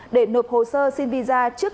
để nộp hồ sơ xin visa trước